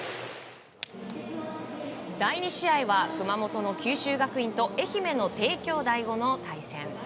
第２試合は熊本の九州学院と愛媛の帝京第五の対戦。